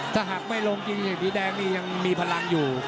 ถ้าหักไม่ลงจริงสีแดงนี่ยังมีพลังอยู่